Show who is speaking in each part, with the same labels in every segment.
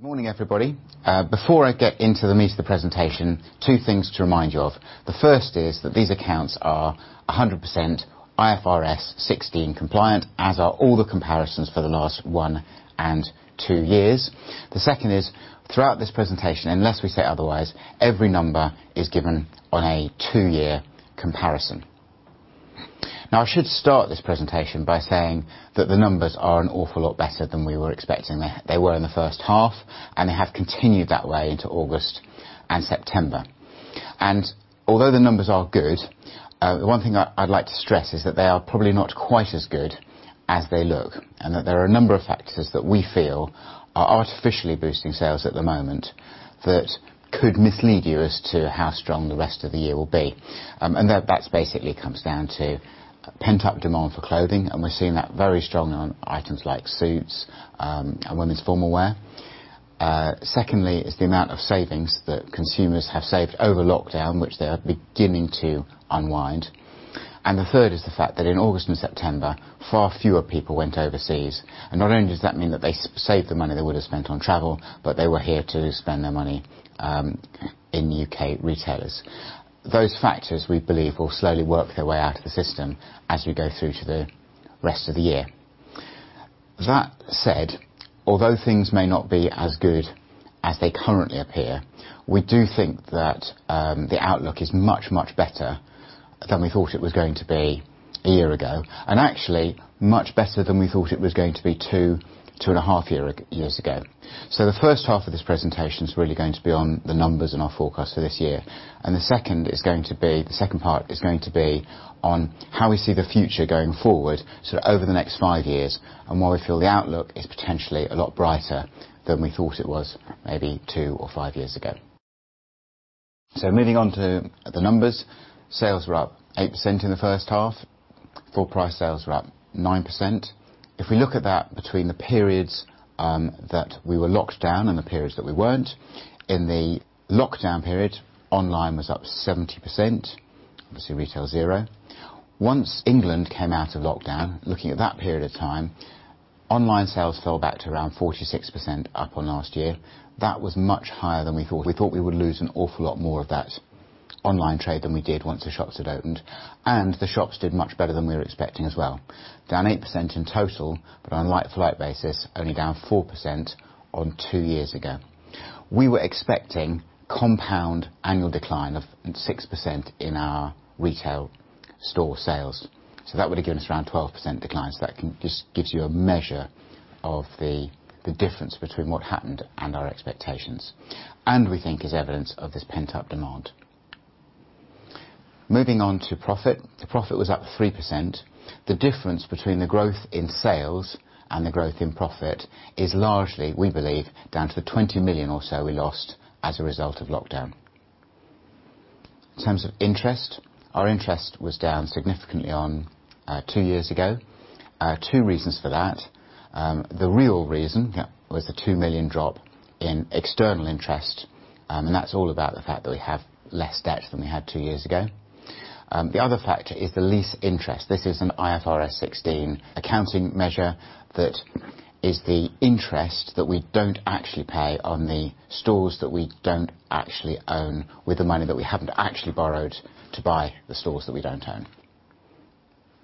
Speaker 1: Good morning, everybody. Before I get into the meat of the presentation, two things to remind you of. The first is that these accounts are 100% IFRS 16 compliant, as are all the comparisons for the last one and two years. The second is, throughout this presentation, unless we say otherwise, every number is given on a two-year comparison. I should start this presentation by saying that the numbers are an awful lot better than we were expecting they were in the first half, and they have continued that way into August and September. Although the numbers are good, the one thing I'd like to stress is that they are probably not quite as good as they look, and that there are a number of factors that we feel are artificially boosting sales at the moment that could mislead you as to how strong the rest of the year will be. That basically comes down to pent-up demand for clothing, and we're seeing that very strong on items like suits and women's formal wear. Secondly is the amount of savings that consumers have saved over lockdown, which they are beginning to unwind. The third is the fact that in August and September, far fewer people went overseas. Not only does that mean that they saved the money they would have spent on travel, but they were here to spend their money in U.K. retailers. Those factors, we believe, will slowly work their way out of the system as we go through to the rest of the year. That said, although things may not be as good as they currently appear, we do think that the outlook is much, much better than we thought it was going to be a year ago, and actually much better than we thought it was going to be two and a half years ago. The first half of this presentation is really going to be on the numbers and our forecast for this year. The second part is going to be on how we see the future going forward, so over the next five years, and why we feel the outlook is potentially a lot brighter than we thought it was maybe two or five years ago. Moving on to the numbers. Sales were up 8% in the first half. Full price sales were up 9%. If we look at that between the periods that we were locked down and the periods that we weren't, in the lockdown period, online was up 70%. Obviously, retail zero. Once England came out of lockdown, looking at that period of time, online sales fell back to around 46% up on last year. That was much higher than we thought. We thought we would lose an awful lot more of that online trade than we did once the shops had opened. The shops did much better than we were expecting as well. Down 8% in total, but on a like-for-like basis, only down 4% on two years ago. We were expecting compound annual decline of 6% in our retail store sales. That would have given us around 12% declines. That just gives you a measure of the difference between what happened and our expectations, and we think is evidence of this pent-up demand. Moving on to profit. The profit was up 3%. The difference between the growth in sales and the growth in profit is largely, we believe, down to the 20 million or so we lost as a result of lockdown. In terms of interest, our interest was down significantly on two years ago. Two reasons for that. The real reason was the 2 million drop in external interest, and that's all about the fact that we have less debt than we had two years ago. The other factor is the lease interest. This is an IFRS 16 accounting measure that is the interest that we don't actually pay on the stores that we don't actually own with the money that we haven't actually borrowed to buy the stores that we don't own.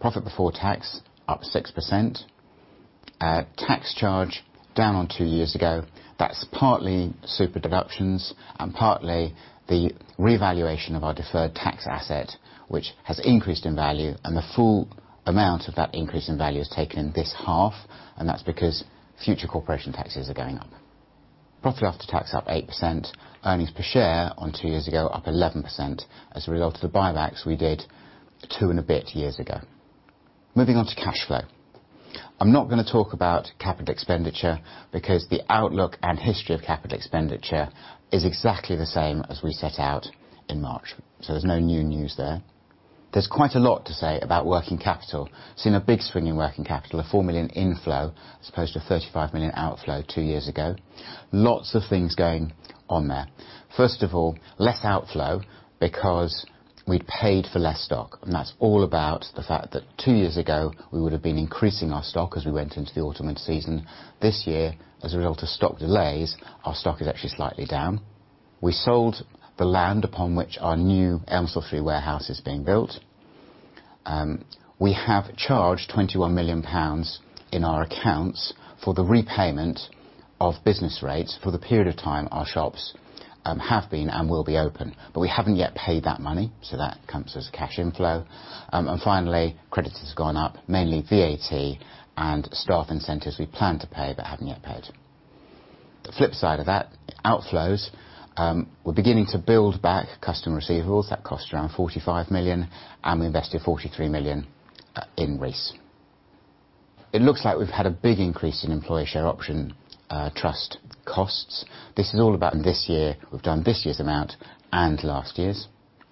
Speaker 1: Profit before tax up 6%. Tax charge down on two years ago. That's partly super-deductions and partly the revaluation of our deferred tax asset, which has increased in value, and the full amount of that increase in value is taken this half, and that's because future corporation taxes are going up. Profit after tax up 8%. earnings per share on two years ago up 11% as a result of the buybacks we did two and a bit years ago. Moving on to cash flow. I'm not going to talk about capital expenditure because the outlook and history of capital expenditure is exactly the same as we set out in March. There's no new news there. There's quite a lot to say about working capital. Seen a big swing in working capital, a 4 million inflow, as opposed to a 35 million outflow two years ago. Lots of things going on there. First of all, less outflow because we'd paid for less stock, and that's all about the fact that two years ago we would have been increasing our stock as we went into the autumn and season. This year, as a result of stock delays, our stock is actually slightly down. We sold the land upon which our new Elmsall 3 warehouse is being built. We have charged 21 million pounds in our accounts for the repayment of business rates for the period of time our shops have been and will be open. We haven't yet paid that money, that comes as cash inflow. Finally, credit has gone up, mainly VAT and staff incentives we plan to pay but haven't yet paid. The flip side of that, outflows. We're beginning to build back customer receivables. That cost around 45 million, we invested 43 million in Reiss. It looks like we've had a big increase in employee share option trust costs. This is all about this year. We've done this year's amount and last year's.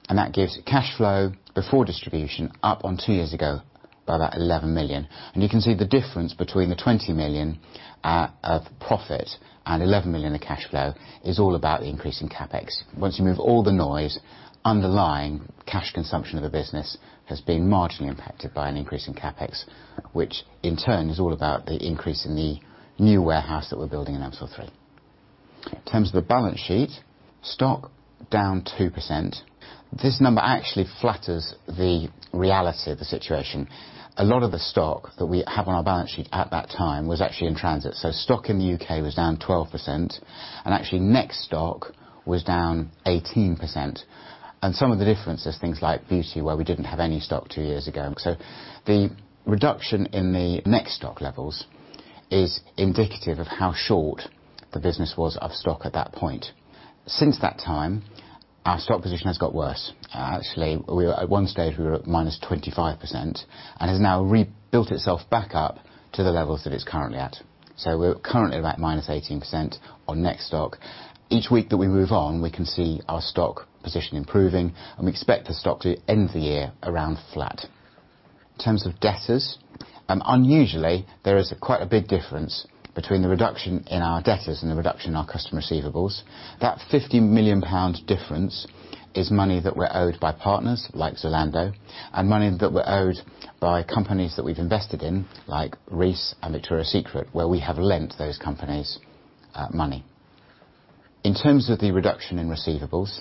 Speaker 1: That gives cash flow before distribution up on two years ago by about 11 million. You can see the difference between the 20 million of profit and 11 million of cash flow is all about the increase in CapEx. Once you move all the noise underlying cash consumption of the business has been marginally impacted by an increase in CapEx, which in turn is all about the increase in the new warehouse that we're building in Elmsall 3. in terms of the balance sheet, stock down 2%. This number actually flatters the reality of the situation. A lot of the stock that we have on our balance sheet at that time was actually in transit. Stock in the U.K. was down 12%, and actually NEXT stock was down 18%. Some of the difference is things like beauty, where we didn't have any stock two years ago. The reduction in the NEXT stock levels is indicative of how short the business was of stock at that point. Since that time, our stock position has got worse. Actually, at one stage we were at -25% and has now rebuilt itself back up to the levels that it's currently at. We're currently about -18% on NEXT stock. Each week that we move on, we can see our stock position improving, and we expect the stock to end the year around flat. In terms of debtors, unusually, there is quite a big difference between the reduction in our debtors and the reduction in our customer receivables. That 50 million pounds difference is money that we're owed by partners like Zalando and money that we're owed by companies that we've invested in, like Reiss and Victoria's Secret, where we have lent those companies money. In terms of the reduction in receivables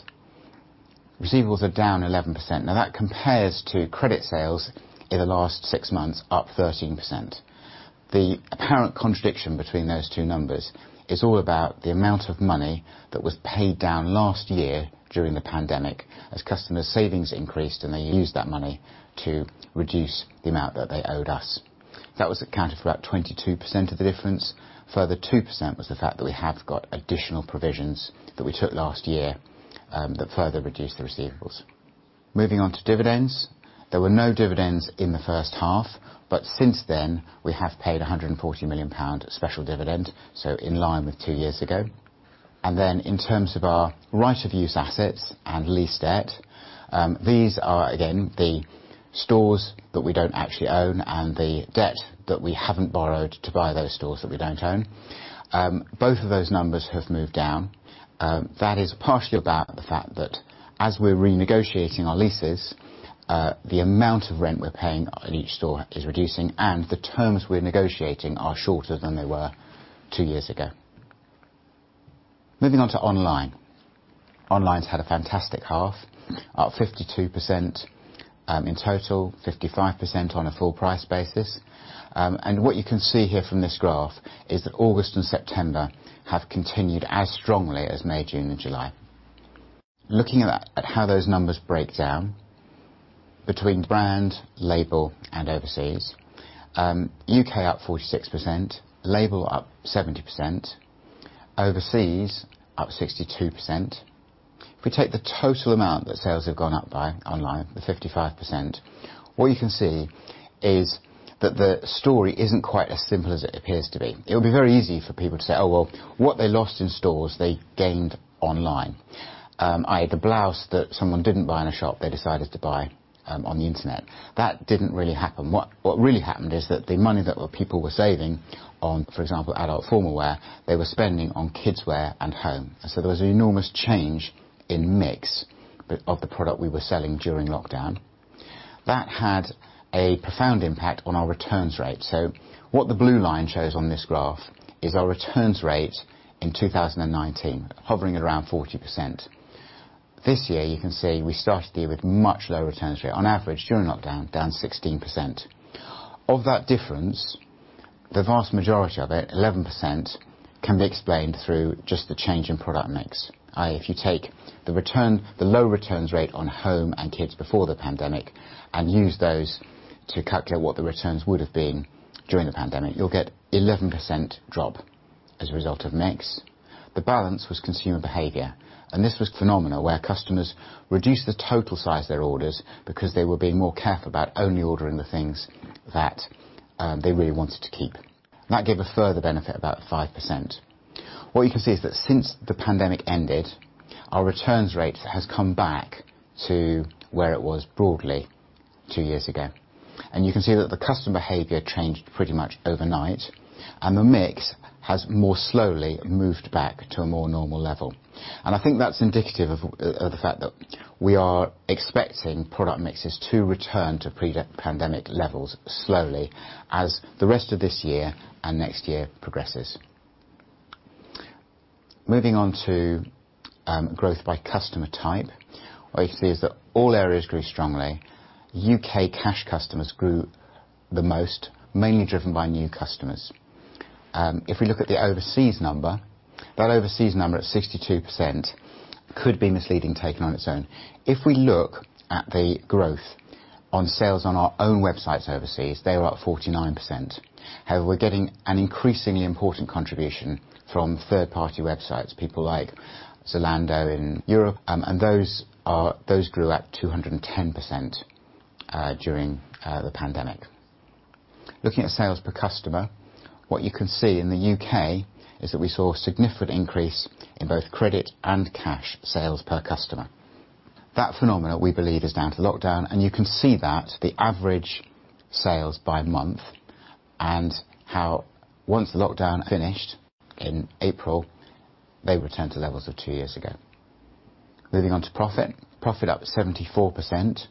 Speaker 1: are down 11%. That compares to credit sales in the last six months up 13%. The apparent contradiction between those two numbers is all about the amount of money that was paid down last year during the pandemic as customer savings increased and they used that money to reduce the amount that they owed us. That accounted for about 22% of the difference. A further 2% was the fact that we have got additional provisions that we took last year that further reduced the receivables. Moving on to dividends, there were no dividends in the first half. Since then we have paid 140 million pound special dividend, in line with two years ago. In terms of our right-of-use assets and lease debt, these are, again, the stores that we don't actually own and the debt that we haven't borrowed to buy those stores that we don't own. Both of those numbers have moved down. That is partially about the fact that as we're renegotiating our leases, the amount of rent we're paying at each store is reducing and the terms we're negotiating are shorter than they were two years ago. Moving on to online. Online's had a fantastic half, up 52% in total, 55% on a full price basis. What you can see here from this graph is that August and September have continued as strongly as May, June, and July. Looking at how those numbers break down between brand, LABEL, and overseas. U.K. up 46%, LABEL up 70%, overseas up 62%. If we take the total amount that sales have gone up by online, the 55%, what you can see is that the story isn't quite as simple as it appears to be. It would be very easy for people to say, oh, well, what they lost in stores, they gained online. I had a blouse that someone didn't buy in a shop, they decided to buy on the internet. That didn't really happen. What really happened is that the money that people were saving on, for example, adult formal wear, they were spending on kids wear and home. There was an enormous change in mix of the product we were selling during lockdown. That had a profound impact on our returns rate. What the blue line shows on this graph is our returns rate in 2019 hovering at around 40%. This year you can see we started the year with much lower returns rate. On average, during lockdown, down 16%. Of that difference, the vast majority of it, 11%, can be explained through just the change in product mix. If you take the low returns rate on home and kids before the pandemic and use those to calculate what the returns would've been during the pandemic, you'll get 11% drop as a result of mix. The balance was consumer behavior. This was phenomenal, where customers reduced the total size of their orders because they were being more careful about only ordering the things that they really wanted to keep. That gave a further benefit of about 5%. What you can see is that since the pandemic ended, our returns rate has come back to where it was broadly two years ago. You can see that the customer behavior changed pretty much overnight, and the mix has more slowly moved back to a more normal level. I think that's indicative of the fact that we are expecting product mixes to return to pre-pandemic levels slowly as the rest of this year and next year progresses. Moving on to growth by customer type. What you can see is that all areas grew strongly. U.K. cash customers grew the most, mainly driven by new customers. If we look at the overseas number, that overseas number at 62% could be misleading taken on its own. If we look at the growth on sales on our own websites overseas, they were up 49%. However, we're getting an increasingly important contribution from third-party websites, people like Zalando in Europe, and those grew at 210% during the pandemic. Looking at sales per customer, what you can see in the U.K. is that we saw a significant increase in both credit and cash sales per customer. That phenomena, we believe, is down to lockdown, and you can see that the average sales by month and how once lockdown finished in April, they returned to levels of two years ago. Moving on to profit. Profit up 74%.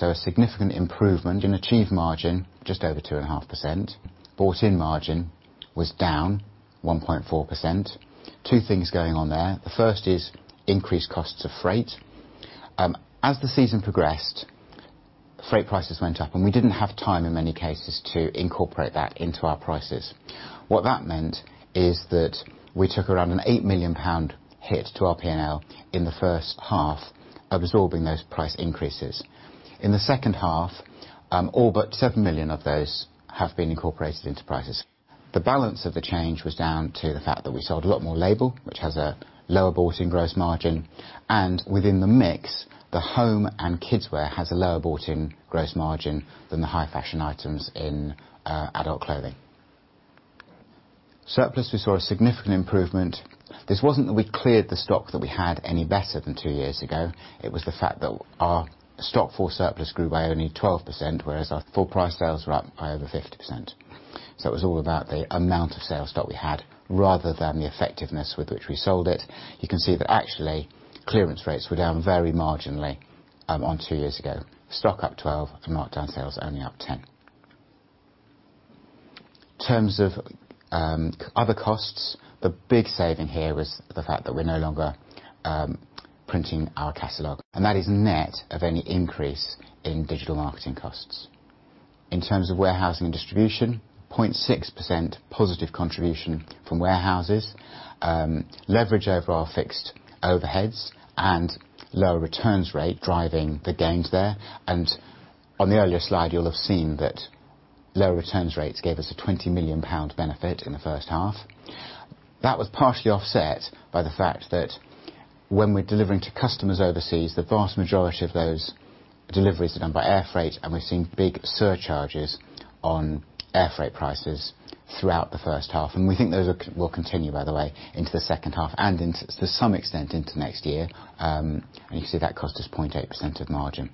Speaker 1: A significant improvement in achieved margin, just over 2.5%. Bought-in margin was down 1.4%. Two things going on there. The first is increased costs of freight. As the season progressed, freight prices went up, and we didn't have time, in many cases, to incorporate that into our prices. What that meant is that we took around an 8 million pound hit to our P&L in the first half of absorbing those price increases. In the second half, all but 7 million of those have been incorporated into prices. The balance of the change was down to the fact that we sold a lot more LABEL, which has a lower bought-in gross margin, and within the mix, the home and kidswear has a lower bought-in gross margin than the high-fashion items in adult clothing. Surplus, we saw a significant improvement. This wasn't that we cleared the stock that we had any better than two years ago. It was the fact that our stock for surplus grew by only 12%, whereas our full price sales were up by over 50%. It was all about the amount of sales stock we had rather than the effectiveness with which we sold it. You can see that actually clearance rates were down very marginally on two years ago. Stock up 12%, marked down sales only up 10%. In terms of other costs, the big saving here was the fact that we're no longer printing our catalog, and that is net of any increase in digital marketing costs. In terms of warehousing and distribution, 0.6% positive contribution from warehouses. Leverage over our fixed overheads and lower returns rate driving the gains there. On the earlier slide, you'll have seen that lower returns rates gave us a 20 million pound benefit in the first half. That was partially offset by the fact that when we're delivering to customers overseas, the vast majority of those deliveries are done by air freight, and we're seeing big surcharges on air freight prices throughout the first half. We think those will continue, by the way, into the second half and to some extent into next year. You can see that cost is 0.8% of margin.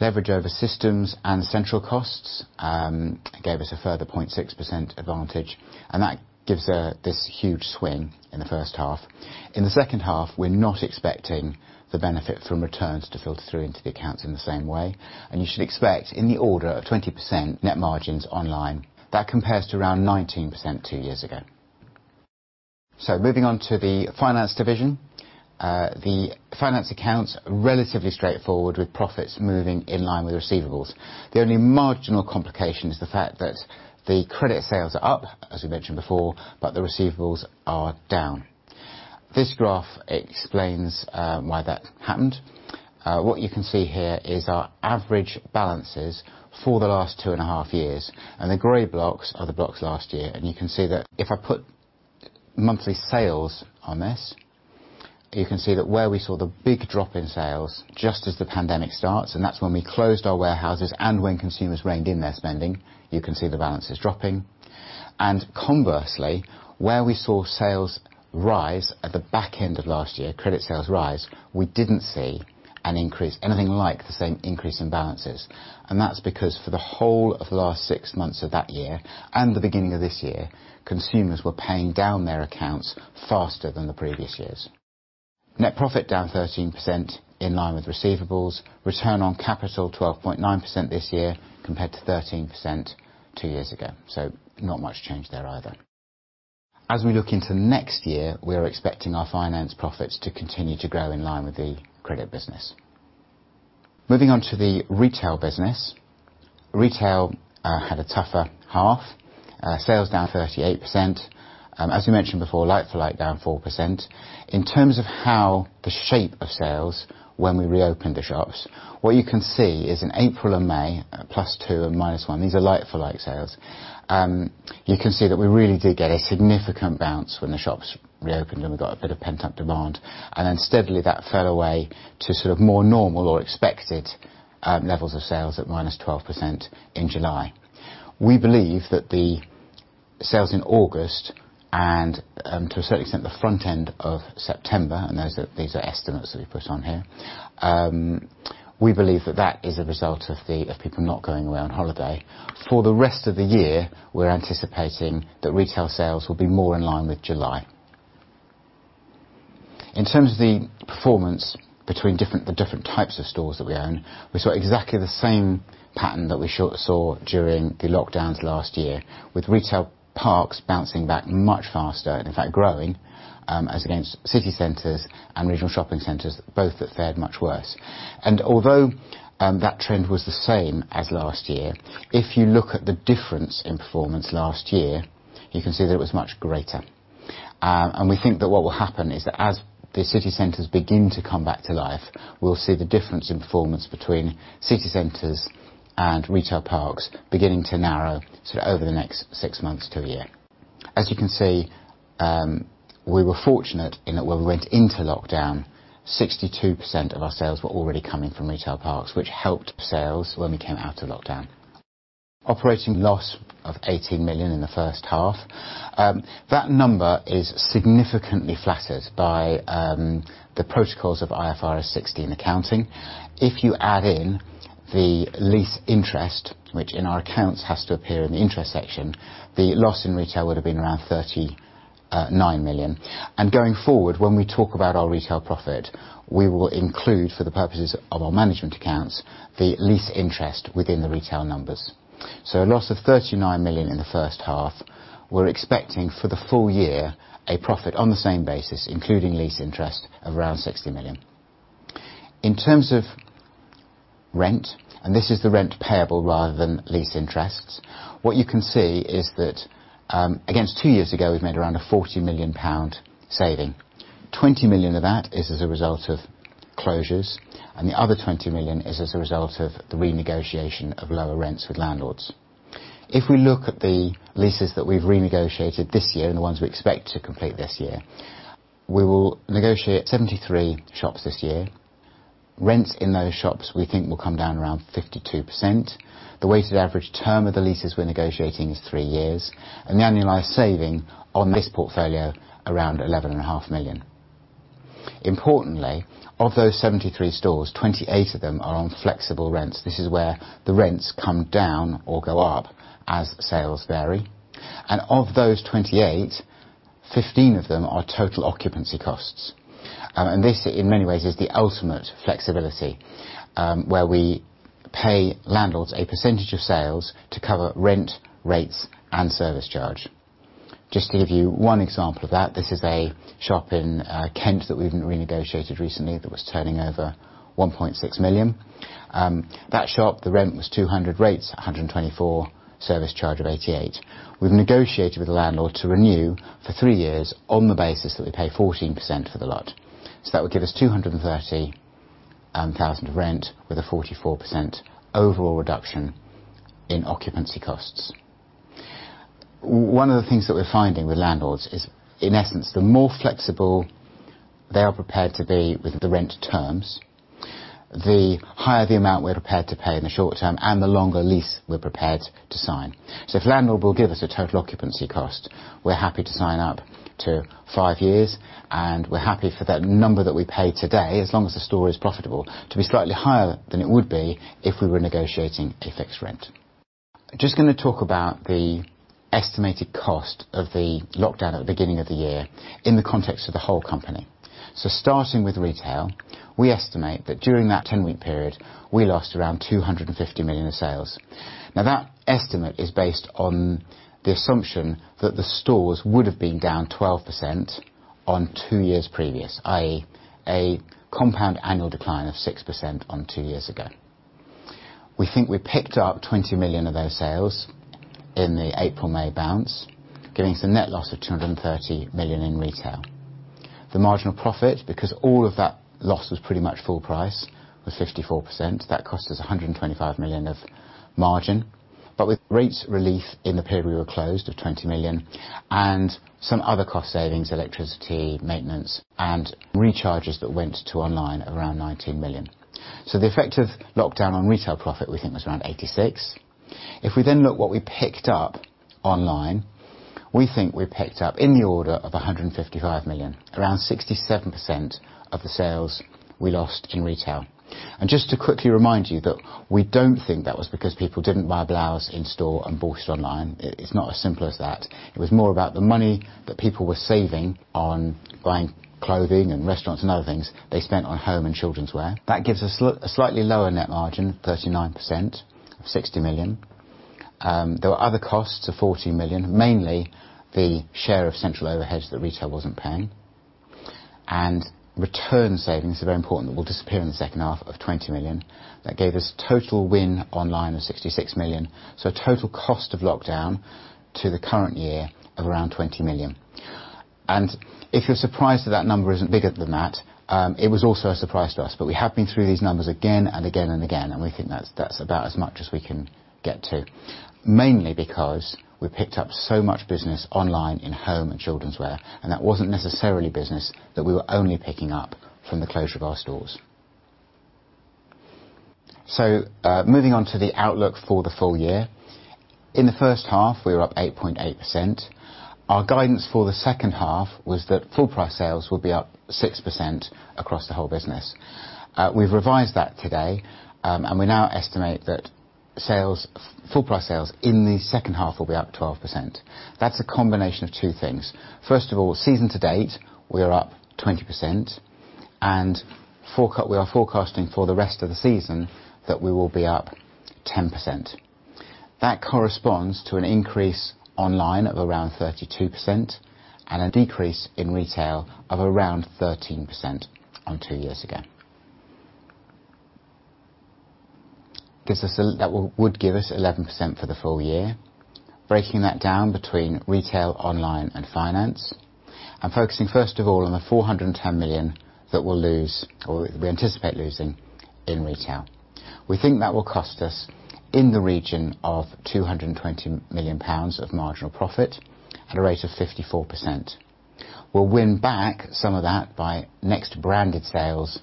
Speaker 1: Leverage over systems and central costs gave us a further 0.6% advantage, and that gives this huge swing in the first half. In the second half, we're not expecting the benefit from returns to filter through into the accounts in the same way. You should expect in the order of 20% net margins online. That compares to around 19% two years ago. Moving on to the finance division. The finance accounts are relatively straightforward, with profits moving in line with receivables. The only marginal complication is the fact that the credit sales are up, as we mentioned before. The receivables are down. This graph explains why that happened. What you can see here is our average balances for the last two and a 1/2 years. The gray blocks are the blocks last year. You can see that if I put monthly sales on this, you can see that where we saw the big drop in sales, just as the pandemic starts, and that's when we closed our warehouses and when consumers reined in their spending, you can see the balance is dropping. Conversely, where we saw sales rise at the back end of last year, credit sales rise, we didn't see anything like the same increase in balances. That's because for the whole of the last six months of that year and the beginning of this year, consumers were paying down their accounts faster than the previous years. Net profit down 13%, in line with receivables. Return on capital 12.9% this year compared to 13% two years ago. As we look into next year, we are expecting our finance profits to continue to grow in line with the credit business. Moving on to the retail business. Retail had a tougher half. Sales down 38%. As we mentioned before, like-for-like down 4%. In terms of how the shape of sales when we reopened the shops, what you can see is in April and May, +2% and -1%, these are like-for-like sales. You can see that we really did get a significant bounce when the shops reopened, and we got a bit of pent-up demand, and then steadily that fell away to sort of more normal or expected levels of sales at -12% in July. We believe that the sales in August and, to a certain extent, the front end of September, and these are estimates that we put on here, we believe that that is a result of people not going away on holiday. For the rest of the year, we're anticipating that retail sales will be more in line with July. In terms of the performance between the different types of stores that we own, we saw exactly the same pattern that we saw during the lockdowns last year, with retail parks bouncing back much faster, and in fact growing, as against city centers and regional shopping centers, both that fared much worse. Although that trend was the same as last year, if you look at the difference in performance last year, you can see that it was much greater. We think that what will happen is that as the city centers begin to come back to life, we will see the difference in performance between city centers and retail parks beginning to narrow over the next six months to one year. As you can see, we were fortunate in that when we went into lockdown, 62% of our sales were already coming from retail parks, which helped sales when we came out of lockdown. Operating loss of 18 million in the first half. That number is significantly flattered by the protocols of IFRS 16 accounting. If you add in the lease interest, which in our accounts has to appear in the interest section, the loss in retail would have been around 309 million. Going forward, when we talk about our retail profit, we will include, for the purposes of our management accounts, the lease interest within the retail numbers. A loss of 39 million in the first half. We're expecting for the full year a profit on the same basis, including lease interest of around 60 million. In terms of rent, and this is the rent payable rather than lease interests, what you can see is that against two years ago, we've made around a 40 million pound saving. 20 million of that is as a result of closures, and the other 20 million is as a result of the renegotiation of lower rents with landlords. If we look at the leases that we've renegotiated this year and the ones we expect to complete this year, we will negotiate 73 shops this year. Rents in those shops we think will come down around 52%. The weighted average term of the leases we're negotiating is three years. The annualized saving on this portfolio around 11.5 million. Importantly, of those 73 stores, 28 of them are on flexible rents. This is where the rents come down or go up as sales vary. Of those 28, 15 of them are total occupancy costs. This, in many ways, is the ultimate flexibility, where we pay landlords a percentage of sales to cover rent, rates, and service charge. Just to give you one example of that, this is a shop in Kent that we renegotiated recently that was turning over 1.6 million. That shop, the rent was 200, rates 124, service charge of 88. We've negotiated with the landlord to renew for three years on the basis that we pay 14% for the lot. That would give us 230,000 of rent with a 44% overall reduction in occupancy costs. One of the things that we're finding with landlords is, in essence, the more flexible they are prepared to be with the rent terms, the higher the amount we're prepared to pay in the short term and the longer lease we're prepared to sign. If the landlord will give us a total occupancy cost, we're happy to sign up to five years, and we're happy for that number that we pay today, as long as the store is profitable, to be slightly higher than it would be if we were negotiating a fixed rent. Just going to talk about the estimated cost of the lockdown at the beginning of the year in the context of the whole company. Starting with retail, we estimate that during that 10-week period, we lost around 250 million of sales. That estimate is based on the assumption that the stores would have been down 12% on two years previous, i.e. a compound annual decline of 6% on two years ago. We think we picked up 20 million of those sales in the April, May bounce, giving us a net loss of 230 million in retail. The marginal profit, because all of that loss was pretty much full price, was 54%. That cost us 125 million of margin. With rates relief in the period we were closed of 20 million and some other cost savings, electricity, maintenance, and recharges that went to online around 19 million. The effect of lockdown on retail profit we think was around 86 million. If we look what we picked up online, we think we picked up in the order of 155 million, around 67% of the sales we lost in retail. Just to quickly remind you that we don't think that was because people didn't buy blouses in store and bought it online. It's not as simple as that. It was more about the money that people were saving on buying clothing and restaurants and other things they spent on home and children's wear. That gives us a slightly lower net margin, 39% of 60 million. There were other costs of 14 million, mainly the share of central overheads that retail wasn't paying. Return savings are very important, that will disappear in the second half of 20 million. That gave us total win online of 66 million. Total cost of lockdown to the current year of around 20 million. If you're surprised that that number isn't bigger than that, it was also a surprise to us. We have been through these numbers again and again and again, and we think that's about as much as we can get to. Mainly because we picked up so much business online in home and children's wear, and that wasn't necessarily business that we were only picking up from the closure of our stores. Moving on to the outlook for the full year. In the first half, we were up 8.8%. Our guidance for the second half was that full price sales will be up 6% across the whole business. We've revised that today, and we now estimate that full price sales in the second half will be up 12%. That's a combination of two things. First of all, season to date, we are up 20%. We are forecasting for the rest of the season that we will be up 10%. That corresponds to an increase online of around 32% and a decrease in retail of around 13% on two years ago. That would give us 11% for the full year. Breaking that down between retail, online, and finance. Focusing first of all on the 410 million that we anticipate losing in retail. We think that will cost us in the region of 220 million pounds of marginal profit at a rate of 54%. We'll win back some of that by NEXT branded sales,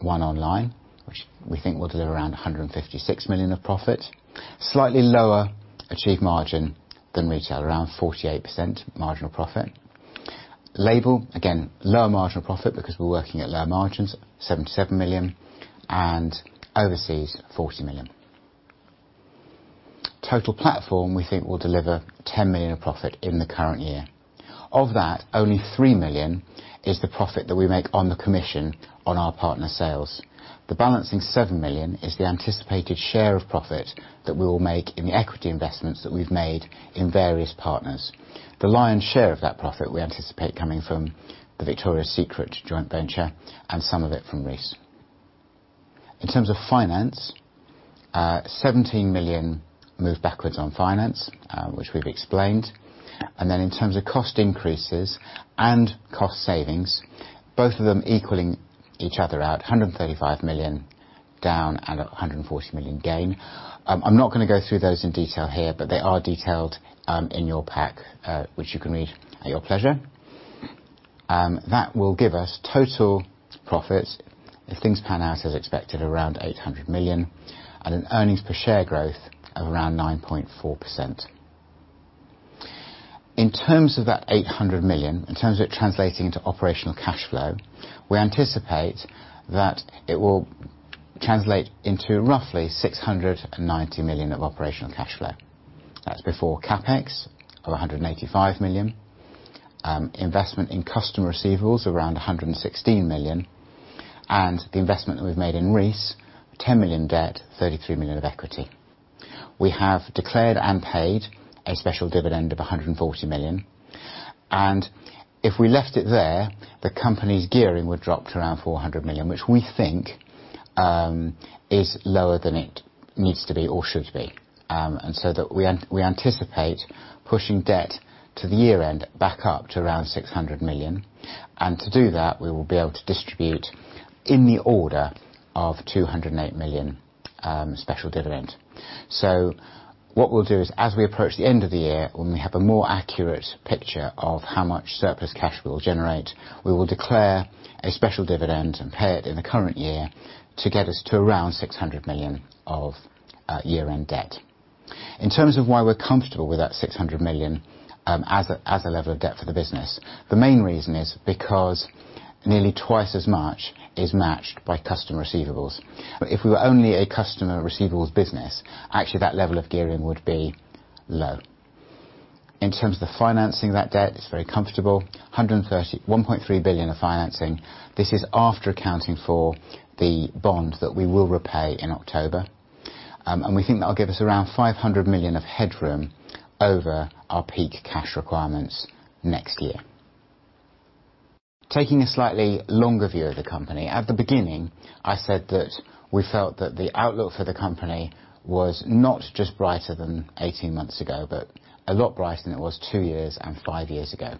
Speaker 1: one online, which we think will deliver around 156 million of profit. Slightly lower achieved margin than retail, around 48% marginal profit. LABEL, again, lower marginal profit because we're working at lower margins, 77 million. Overseas 40 million. Total Platform we think will deliver 10 million of profit in the current year. Of that, only 3 million is the profit that we make on the commission on our partner sales. The balancing 7 million is the anticipated share of profit that we will make in the equity investments that we've made in various partners. The lion's share of that profit we anticipate coming from the Victoria's Secret joint venture and some of it from Reiss. In terms of finance, 17 million move backwards on finance, which we've explained. Then in terms of cost increases and cost savings, both of them equaling each other out, 135 million down and 140 million gain. I'm not going to go through those in detail here, but they are detailed in your pack, which you can read at your pleasure. That will give us total profits, if things pan out as expected, around 800 million, and an earnings per share growth of around 9.4%. In terms of that 800 million, in terms of it translating into operational cash flow, we anticipate that it will translate into roughly 690 million of operational cash flow. That's before CapEx of 185 million, investment in customer receivables around 116 million, and the investment that we've made in Reiss, 10 million debt, 33 million of equity. If we left it there, the company's gearing would drop to around 400 million, which we think is lower than it needs to be or should be. We anticipate pushing debt to the year end back up to around 600 million. To do that, we will be able to distribute in the order of 208 million special dividend. What we'll do is, as we approach the end of the year, when we have a more accurate picture of how much surplus cash we will generate, we will declare a special dividend and pay it in the current year to get us to around 600 million of year-end debt. In terms of why we're comfortable with that 600 million as a level of debt for the business, the main reason is because nearly twice as much is matched by customer receivables. If we were only a customer receivables business, actually that level of gearing would be low. In terms of the financing of that debt, it's very comfortable, 1.3 billion of financing. This is after accounting for the bond that we will repay in October. We think that'll give us around 500 million of headroom over our peak cash requirements next year. Taking a slightly longer view of the company, at the beginning, I said that we felt that the outlook for the company was not just brighter than 18 months ago, but a lot brighter than it was two years and five years ago.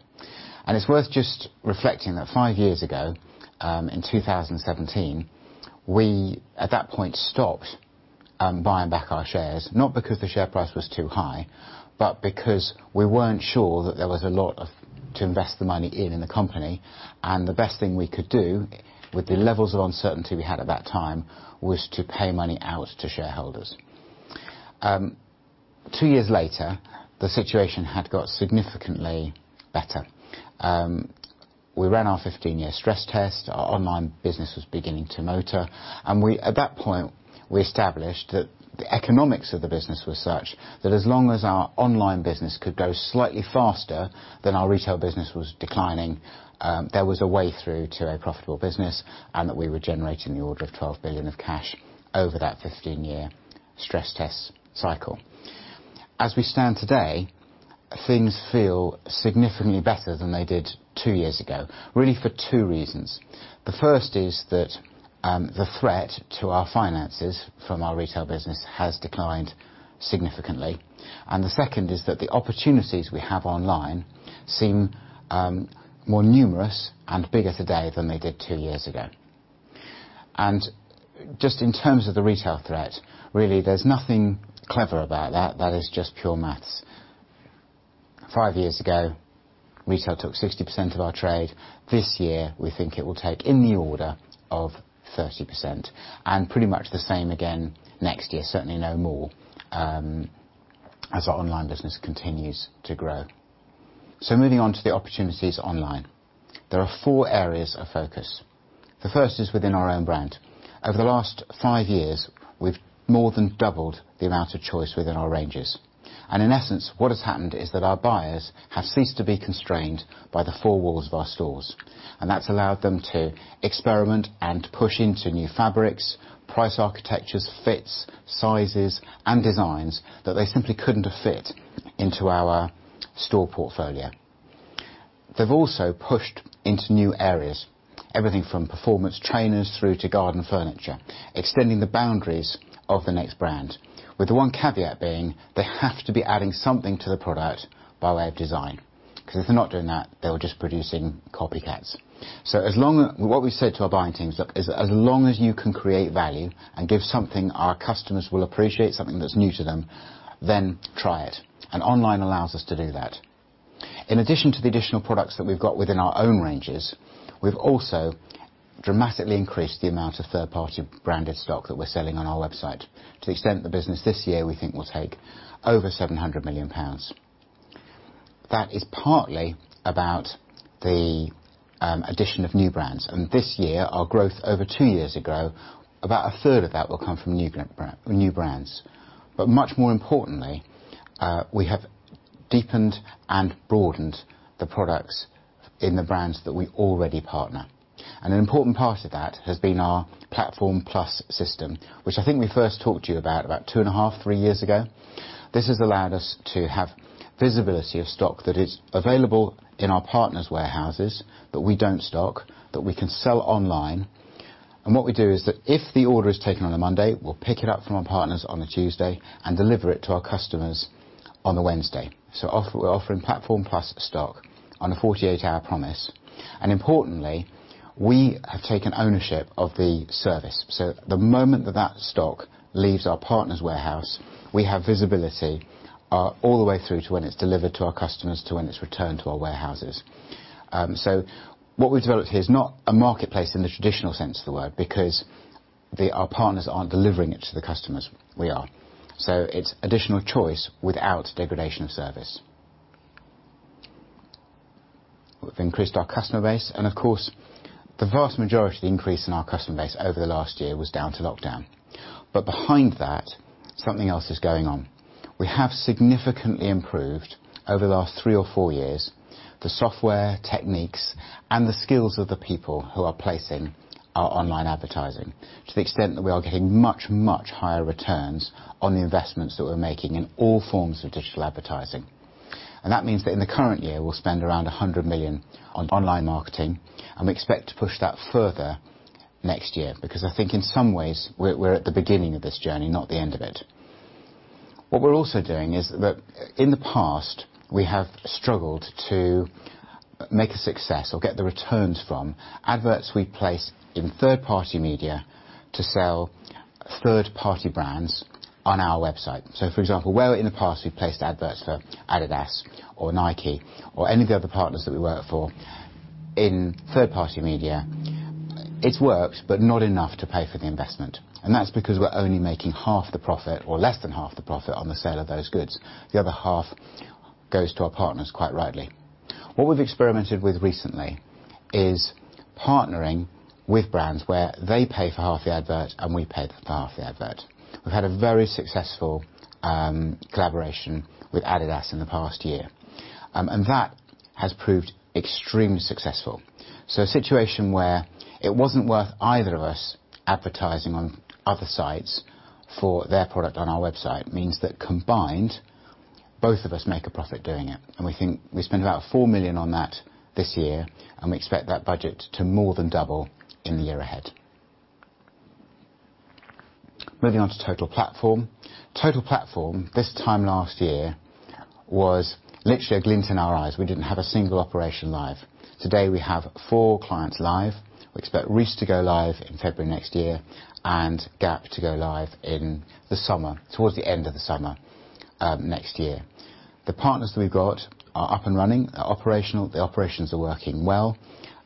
Speaker 1: It's worth just reflecting that five years ago, in 2017, we, at that point, stopped buying back our shares, not because the share price was too high, but because we weren't sure that there was a lot to invest the money in in the company. The best thing we could do with the levels of uncertainty we had at that time was to pay money out to shareholders. Two years later, the situation had got significantly better. We ran our 15-year stress test. Our online business was beginning to motor. At that point, we established that the economics of the business were such that as long as our online business could go slightly faster than our retail business was declining, there was a way through to a profitable business, and that we were generating in the order of 12 billion of cash over that 15-year stress test cycle. As we stand today, things feel significantly better than they did two years ago, really for two reasons. The first is that the threat to our finances from our retail business has declined significantly, and the second is that the opportunities we have online seem more numerous and bigger today than they did two years ago. Just in terms of the retail threat, really, there's nothing clever about that. That is just pure maths. five years ago, retail took 60% of our trade. This year, we think it will take in the order of 30%, and pretty much the same again next year, certainly no more, as our online business continues to grow. Moving on to the opportunities online. There are four areas of focus. The first is within our own brand. Over the last five years, we've more than doubled the amount of choice within our ranges. In essence, what has happened is that our buyers have ceased to be constrained by the four walls of our stores. That's allowed them to experiment and push into new fabrics, price architectures, fits, sizes, and designs that they simply couldn't have fit into our store portfolio. They've also pushed into new areas, everything from performance trainers through to garden furniture, extending the boundaries of the NEXT brand, with the one caveat being they have to be adding something to the product by way of design, because if they're not doing that, they're just producing copycats. What we said to our buying teams, look, is that as long as you can create value and give something our customers will appreciate, something that's new to them, then try it. Online allows us to do that. In addition to the additional products that we've got within our own ranges, we've also dramatically increased the amount of third-party branded stock that we're selling on our website to the extent the business this year we think will take over 700 million pounds. That is partly about the addition of new brands. This year, our growth over two years ago, about a third of that will come from new brands. Much more importantly, we have deepened and broadened the products in the brands that we already partner. An important part of that has been our Platform Plus system, which I think we first talked to you about 2.5, three years ago. This has allowed us to have visibility of stock that is available in our partners' warehouses, that we don't stock, that we can sell online. What we do is that if the order is taken on a Monday, we'll pick it up from our partners on a Tuesday and deliver it to our customers on a Wednesday. We're offering Platform Plus stock on a 48-hour promise. Importantly, we have taken ownership of the service. The moment that stock leaves our partner's warehouse, we have visibility all the way through to when it's delivered to our customers to when it's returned to our warehouses. What we've developed here is not a marketplace in the traditional sense of the word because our partners aren't delivering it to the customers, we are. It's additional choice without degradation of service. We've increased our customer base, and of course, the vast majority of the increase in our customer base over the last year was down to lockdown. Behind that, something else is going on. We have significantly improved, over the last three or four years, the software, techniques, and the skills of the people who are placing our online advertising, to the extent that we are getting much, much higher returns on the investments that we're making in all forms of digital advertising. That means that in the current year, we'll spend around 100 million on online marketing, and we expect to push that further next year, because I think in some ways, we're at the beginning of this journey, not the end of it. What we're also doing is that in the past, we have struggled to make a success or get the returns from adverts we place in third-party media to sell third-party brands on our website. For example, where in the past we've placed adverts for Adidas or Nike or any of the other partners that we work for in third-party media, it's worked, but not enough to pay for the investment. That's because we're only making half the profit or less than half the profit on the sale of those goods. The other half goes to our partners, quite rightly. What we've experimented with recently is partnering with brands where they pay for half the advert and we pay for half the advert. We've had a very successful collaboration with Adidas in the past year, and that has proved extremely successful. A situation where it wasn't worth either of us advertising on other sites for their product on our website means that combined, both of us make a profit doing it. We think we spend about 4 million on that this year, and we expect that budget to more than double in the year ahead. Moving on to Total Platform. Total Platform this time last year was literally a glint in our eyes. We didn't have a single operation live. Today, we have four clients live. We expect Reiss to go live in February next year and Gap to go live in the summer, towards the end of the summer next year. The partners that we've got are up and running, are operational. The operations are working well.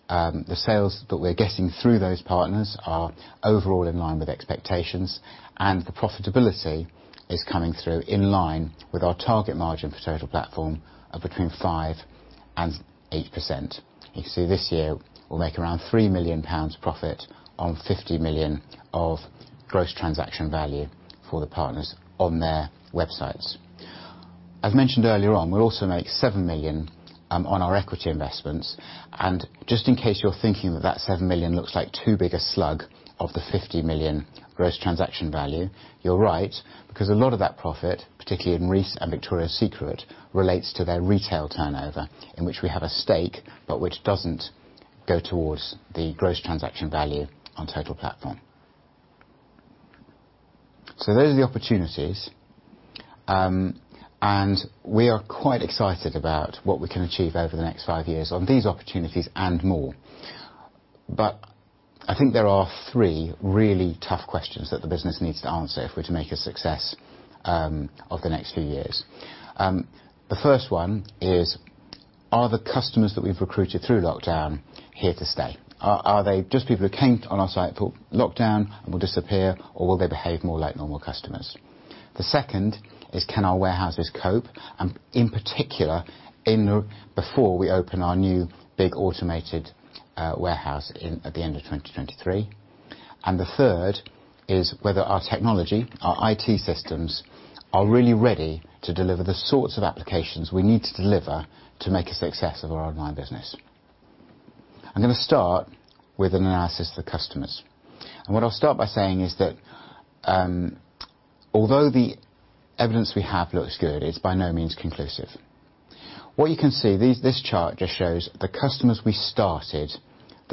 Speaker 1: The sales that we're getting through those partners are overall in line with expectations, and the profitability is coming through in line with our target margin for Total Platform of between 5% and 8%. You can see this year we'll make around 3 million pounds profit on 50 million of gross transaction value for the partners on their websites. I've mentioned earlier on, we'll also make 7 million on our equity investments. Just in case you're thinking that that 7 million looks like too big a slug of the 50 million gross transaction value, you're right, because a lot of that profit, particularly in Reiss and Victoria's Secret, relates to their retail turnover, in which we have a stake, but which doesn't go towards the gross transaction value on Total Platform. Those are the opportunities, and we are quite excited about what we can achieve over the next five years on these opportunities and more. I think there are three really tough questions that the business needs to answer if we're to make a success of the next few years. The first one is, are the customers that we've recruited through lockdown here to stay? Are they just people who came on our site for lockdown and will disappear, or will they behave more like normal customers? The second is, can our warehouses cope? In particular before we open our new big automated warehouse at the end of 2023. The third is whether our technology, our IT systems, are really ready to deliver the sorts of applications we need to deliver to make a success of our online business. I'm going to start with an analysis of the customers. What I'll start by saying is that although the evidence we have looks good, it's by no means conclusive. What you can see, this chart just shows the customers we started the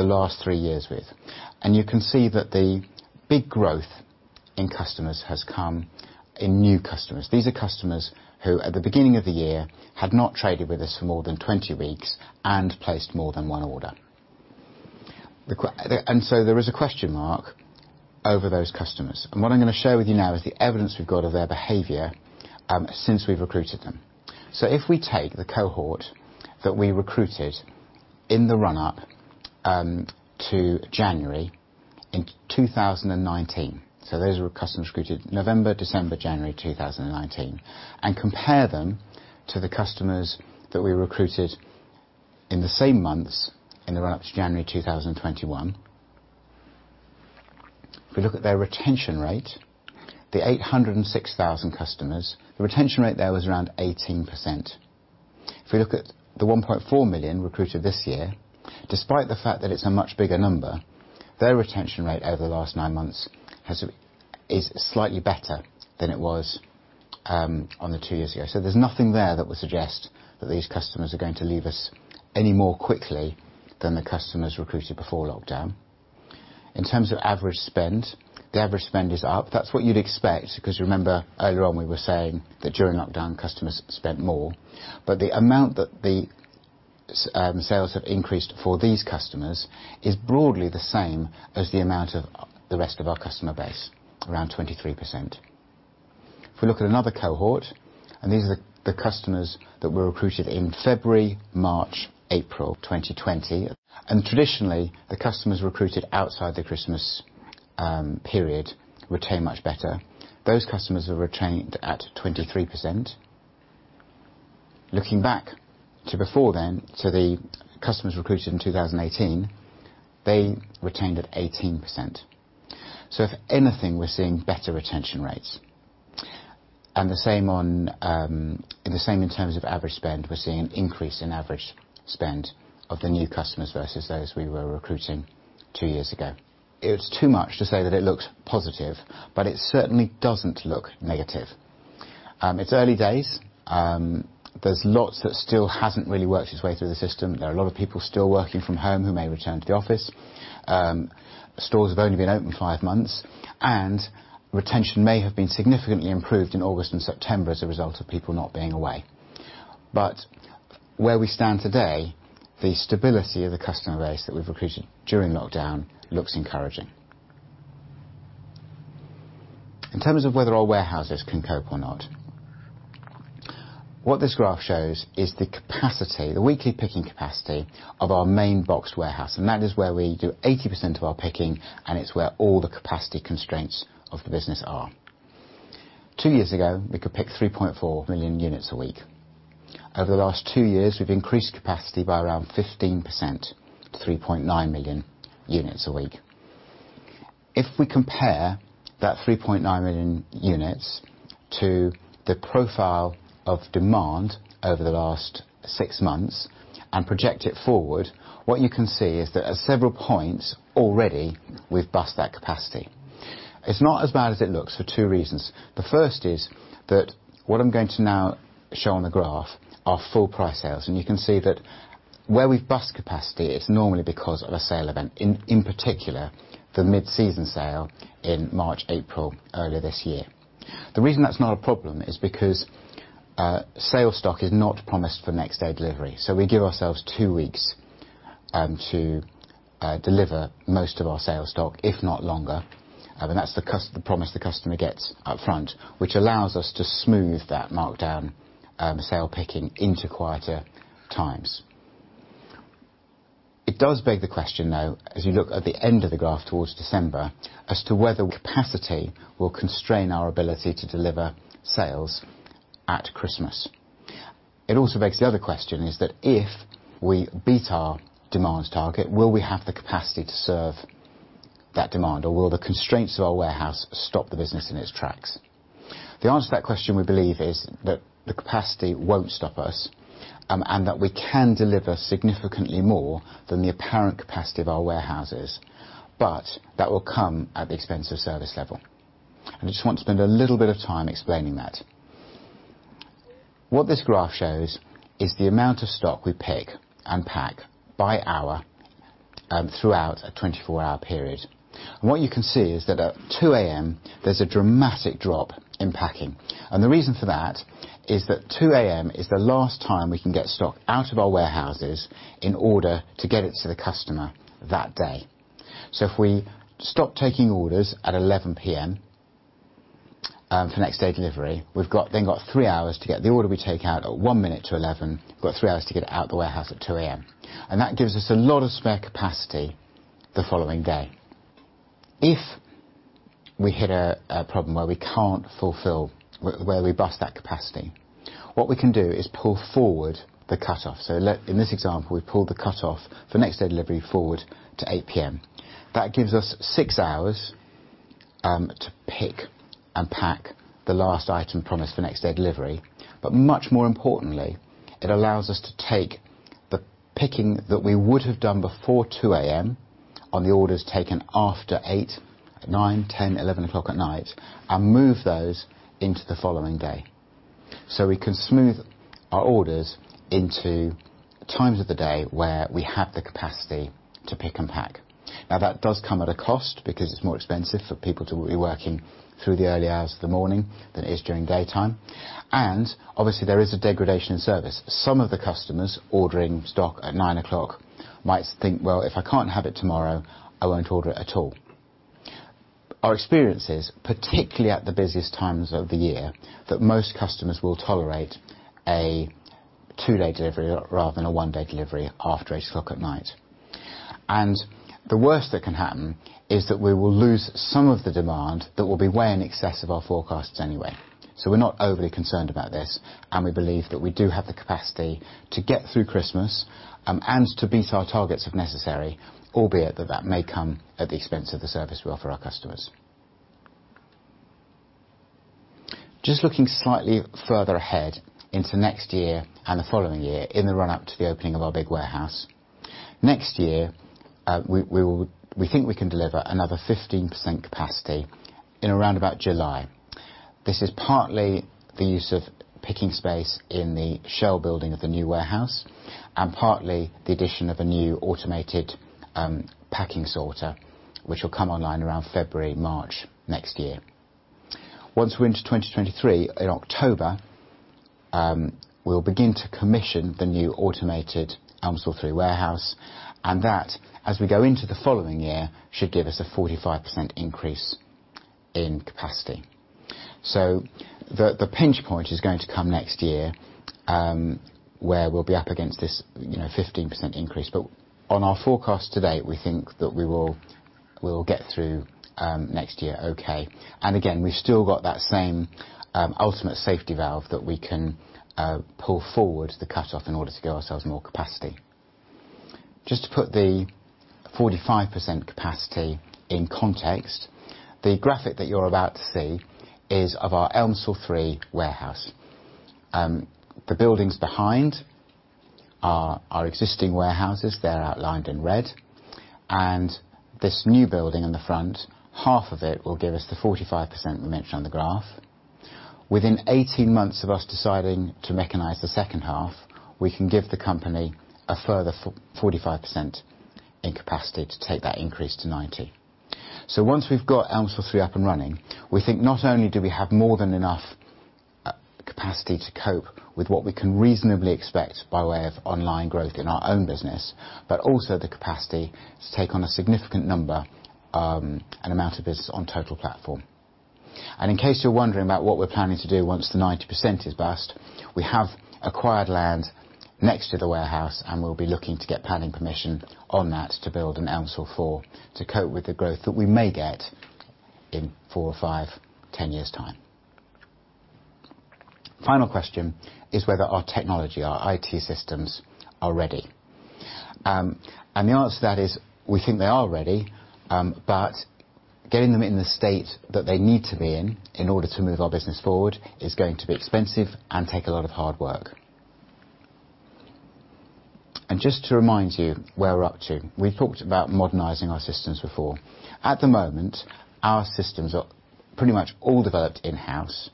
Speaker 1: last three years with. You can see that the big growth in customers has come in new customers. These are customers who at the beginning of the year had not traded with us for more than 20 weeks and placed more than one order. There is a question mark over those customers. What I'm going to share with you now is the evidence we've got of their behavior since we've recruited them. If we take the cohort that we recruited in the run up to January in 2019. Those were customers recruited November, December, January 2019. Compare them to the customers that we recruited in the same months in the run up to January 2021. If we look at their retention rate, the 806,000 customers, the retention rate there was around 18%. If we look at the 1.4 million recruited this year, despite the fact that it's a much bigger number, their retention rate over the last nine months is slightly better than it was on the two years ago. There's nothing there that would suggest that these customers are going to leave us any more quickly than the customers recruited before lockdown. In terms of average spend, the average spend is up. That's what you'd expect, because remember earlier on we were saying that during lockdown, customers spent more. The amount that the sales have increased for these customers is broadly the same as the amount of the rest of our customer base, around 23%. We look at another cohort, and these are the customers that were recruited in February, March, April 2020, and traditionally the customers recruited outside the Christmas period retain much better. Those customers have retained at 23%. Looking back to before then, to the customers recruited in 2018, they retained at 18%. If anything, we're seeing better retention rates. The same in terms of average spend. We're seeing an increase in average spend of the new customers versus those we were recruiting two years ago. It's too much to say that it looks positive, but it certainly doesn't look negative. It's early days. There's lots that still hasn't really worked its way through the system. There are a lot of people still working from home who may return to the office. Stores have only been open five months, and retention may have been significantly improved in August and September as a result of people not being away. Where we stand today, the stability of the customer base that we've recruited during lockdown looks encouraging. In terms of whether our warehouses can cope or not, what this graph shows is the capacity, the weekly picking capacity of our main box warehouse, and that is where we do 80% of our picking, and it's where all the capacity constraints of the business are. two years ago, we could pick 3.4 million units a week. Over the last two years, we've increased capacity by around 15% to 3.9 million units a week. If we compare that 3.9 million units to the profile of demand over the last six months and project it forward, what you can see is that at several points already, we've bust that capacity. It's not as bad as it looks for two reasons. The first is that what I'm going to now show on the graph are full price sales. You can see that where we've bust capacity, it's normally because of a sale event, in particular the mid-season sale in March, April earlier this year. The reason that's not a problem is because sale stock is not promised for next day delivery. We give ourselves two weeks to deliver most of our sale stock, if not longer. That's the promise the customer gets up front, which allows us to smooth that markdown sale picking into quieter times. It does beg the question, though, as you look at the end of the graph towards December, as to whether capacity will constrain our ability to deliver sales at Christmas. It also begs the other question is that if we beat our demands target, will we have the capacity to serve that demand or will the constraints of our warehouse stop the business in its tracks? The answer to that question, we believe, is that the capacity won't stop us, and that we can deliver significantly more than the apparent capacity of our warehouses, but that will come at the expense of service level. I just want to spend a little bit of time explaining that. What this graph shows is the amount of stock we pick and pack by hour throughout a 24-hour period. What you can see is that at 2:00 A.M. there's a dramatic drop in packing. The reason for that is that 2:00 A.M. -is the last time we can get stock out of our warehouses in order to get it to the customer that day. If we stop taking orders at 11:00 P.M. for next day delivery, we've then got three hours to get the order we take out at one minute to 11, we've got three hours to get it out of the warehouse at 2:00 A.M. That gives us a lot of spare capacity the following day. If we hit a problem where we can't fulfill, where we bust that capacity, what we can do is pull forward the cutoff. In this example, we pulled the cutoff for next day delivery forward to 8:00 P.M. That gives us six hours to pick and pack the last item promised for next day delivery. Much more importantly, it allows us to take the picking that we would have done before 2:00 A.M. on the orders taken after 8:00, 9:00, 10:00, 11:00 o'clock at night and move those into the following day. We can smooth our orders into times of the day where we have the capacity to pick and pack. That does come at a cost because it's more expensive for people to be working through the early hours of the morning than it is during daytime. Obviously there is a degradation in service. Some of the customers ordering stock at 9:00 o'clock might think, well, if I can't have it tomorrow, I won't order it at all. Our experience is, particularly at the busiest times of the year, that most customers will tolerate a two-day delivery rather than a one-day delivery after 8:00 at night. The worst that can happen is that we will lose some of the demand that will be way in excess of our forecasts anyway. We're not overly concerned about this, and we believe that we do have the capacity to get through Christmas, and to beat our targets if necessary, albeit that that may come at the expense of the service we offer our customers. Just looking slightly further ahead into next year and the following year, in the run-up to the opening of our big warehouse. Next year, we think we can deliver another 15% capacity in around about July. This is partly the use of picking space in the shell building of the new warehouse, and partly the addition of a new automated packing sorter, which will come online around February, March next year. Once we're into 2023, in October, we'll begin to commission the new automated Elmsall 3 warehouse. That, as we go into the following year, should give us a 45% increase in capacity. The pinch point is going to come next year, where we'll be up against this 15% increase. On our forecast to date, we think that we'll get through next year okay. Again, we've still got that same ultimate safety valve that we can pull forward the cutoff in order to give ourselves more capacity. Just to put the 45% capacity in context, the graphic that you're about to see is of our Elmsall 3 warehouse. The buildings behind are our existing warehouses. They're outlined in red. This new building in the front, half of it will give us the 45% we mentioned on the graph. Within 18 months of us deciding to mechanize the second half, we can give the company a further 45% in capacity to take that increase to 90. Once we've got Elmsall 3 up and running, we think not only do we have more than enough capacity to cope with what we can reasonably expect by way of online growth in our own business, but also the capacity to take on a significant number, and amount of business on Total Platform. In case you're wondering about what we're planning to do once the 90% is burst, we have acquired land next to the warehouse, and we'll be looking to get planning permission on that to build an Elmsall to cope with the growth that we may get in four or five, 10 years' time. Final question is whether our technology, our IT systems are ready. The answer to that is we think they are ready, but getting them in the state that they need to be in order to move our business forward is going to be expensive and take a lot of hard work. Just to remind you where we're up to, we've talked about modernizing our systems before. At the moment, our systems are pretty much all developed in-house.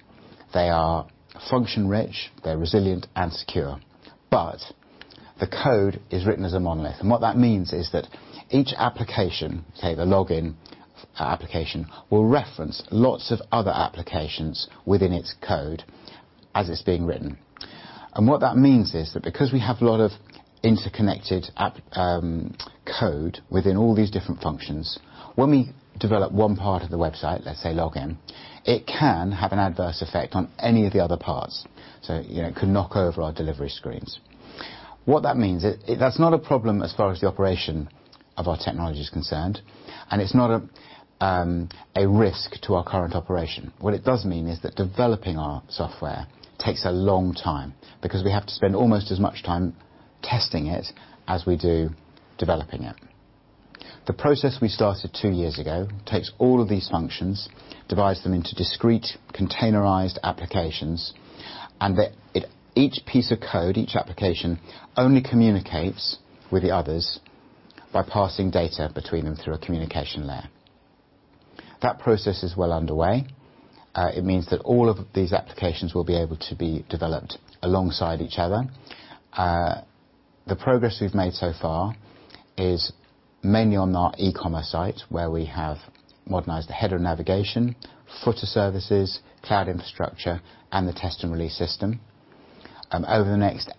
Speaker 1: They are function rich, they're resilient and secure. The code is written as a monolith, and what that means is that each application, say the login application, will reference lots of other applications within its code as it's being written. What that means is that because we have a lot of interconnected code within all these different functions, when we develop one part of the website, let's say login, it can have an adverse effect on any of the other parts. It could knock over our delivery screens. That's not a problem as far as the operation of our technology is concerned, and it's not a risk to our current operation. What it does mean is that developing our software takes a long time, because we have to spend almost as much time testing it as we do developing it. The process we started two years ago takes all of these functions, divides them into discrete containerized applications, and that each piece of code, each application only communicates with the others by passing data between them through a communication layer. That process is well underway. It means that all of these applications will be able to be developed alongside each other. The progress we've made so far is mainly on our e-commerce site, where we have modernized the header navigation, footer services, cloud infrastructure, and the test and release system. Over the next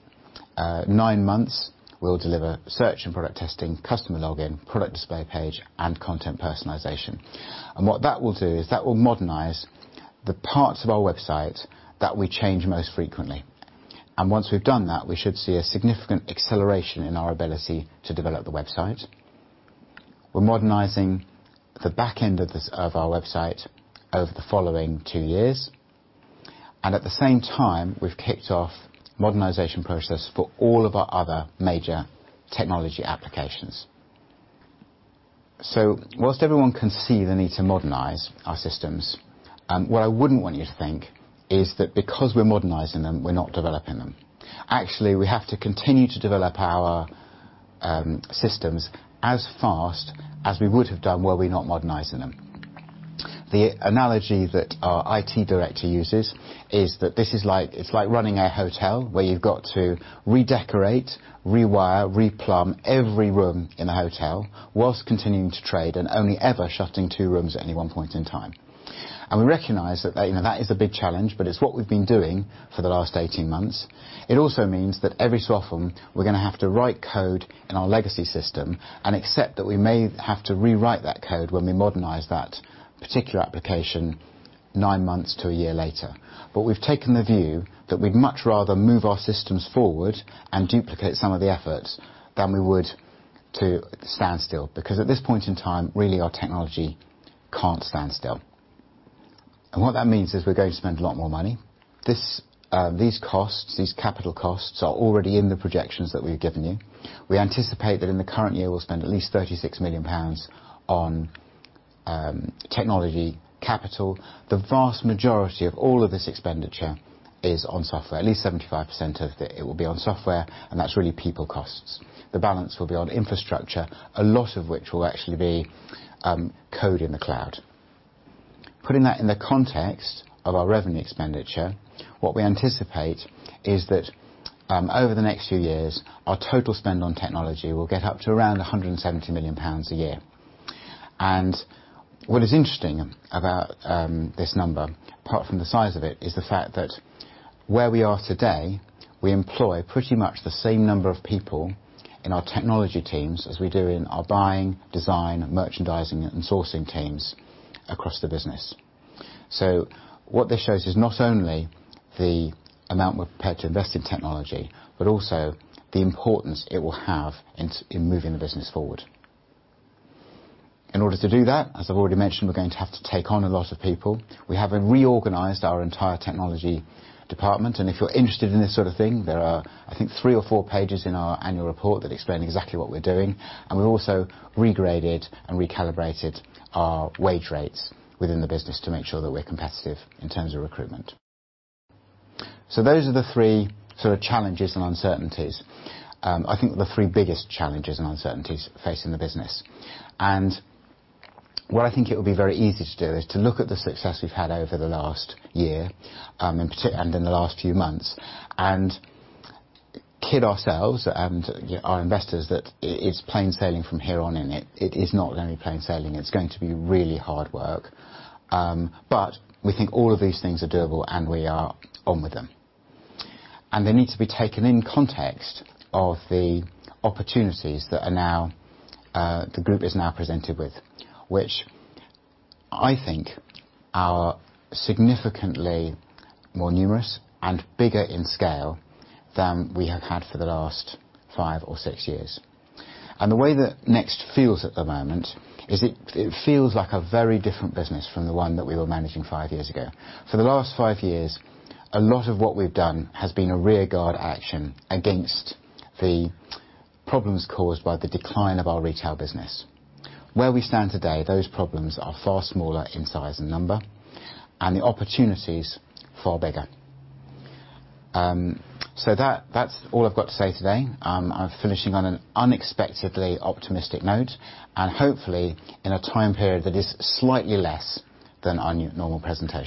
Speaker 1: nine months, we'll deliver search and product testing, customer login, product display page, and content personalization. What that will do is that will modernize the parts of our website that we change most frequently. Once we've done that, we should see a significant acceleration in our ability to develop the website. We're modernizing the back end of our website over the following two years. At the same time, we've kicked off modernization process for all of our other major technology applications. Whilst everyone can see the need to modernize our systems, what I wouldn't want you to think is that because we're modernizing them, we're not developing them. Actually, we have to continue to develop our systems as fast as we would have done were we not modernizing them. The analogy that our IT director uses is that it's like running a hotel where you've got to redecorate, rewire, replumb every room in a hotel whilst continuing to trade and only ever shutting two rooms at any one point in time. We recognize that is a big challenge, but it's what we've been doing for the last 18 months. It also means that every so often we're going to have to write code in our legacy system and accept that we may have to rewrite that code when we modernize that particular application nine months to a year later. We've taken the view that we'd much rather move our systems forward and duplicate some of the efforts than we would to stand still. Because at this point in time, really, our technology can't stand still. What that means is we're going to spend a lot more money. These costs, these capital costs, are already in the projections that we've given you. We anticipate that in the current year, we'll spend at least 36 million pounds on technology capital. The vast majority of all of this expenditure is on software. At least 75% of it will be on software, and that's really people costs. The balance will be on infrastructure, a lot of which will actually be code in the cloud. Putting that in the context of our revenue expenditure, what we anticipate is that over the next few years, our total spend on technology will get up to around 170 million pounds a year. What is interesting about this number, apart from the size of it, is the fact that where we are today, we employ pretty much the same number of people in our technology teams as we do in our buying, design, merchandising, and sourcing teams across the business. What this shows is not only the amount we're prepared to invest in technology, but also the importance it will have in moving the business forward. In order to do that, as I've already mentioned, we're going to have to take on a lot of people. We have reorganized our entire technology department, and if you're interested in this sort of thing, there are, I think, three or four pages in our annual report that explain exactly what we're doing. We also regraded and recalibrated our wage rates within the business to make sure that we're competitive in terms of recruitment. Those are the three sort of challenges and uncertainties. I think the three biggest challenges and uncertainties facing the business. What I think it would be very easy to do is to look at the success we've had over the last year, and in the last few months, and kid ourselves and our investors that it's plain sailing from here on in. It is not going to be plain sailing. It's going to be really hard work. We think all of these things are doable, and we are on with them. They need to be taken in context of the opportunities that the group is now presented with, which I think are significantly more numerous and bigger in scale than we have had for the last five or six years. The way that NEXT feels at the moment is it feels like a very different business from the one that we were managing five years ago. For the last five years, a lot of what we've done has been a rearguard action against the problems caused by the decline of our retail business. Where we stand today, those problems are far smaller in size and number, and the opportunities far bigger. That's all I've got to say today. I'm finishing on an unexpectedly optimistic note, and hopefully in a time period that is slightly less than our normal presentation.